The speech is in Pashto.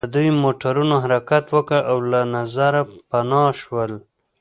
د دوی موټرو حرکت وکړ او له نظره پناه شول